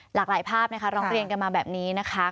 หลากหลายภาพนะคะร้องเรียนกันมาแบบนี้นะคะ